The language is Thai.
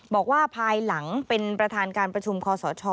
บอกว่าภายหลังเป็นประธานการประชุมคอสช